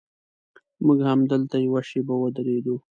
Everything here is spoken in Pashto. موږ همدلته یوه شېبه ودرېدو.